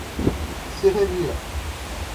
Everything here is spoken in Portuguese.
Serrania